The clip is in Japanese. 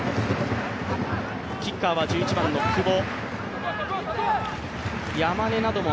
キッカーは１１番の久保。